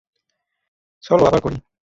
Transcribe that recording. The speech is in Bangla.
চলো আবার করি।